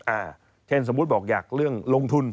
เช่นสมมุติบอกอยากเรื่องลงทุน